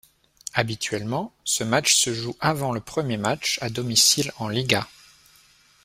Habituellement, ce match se joue avant le premier match à domicile en liga.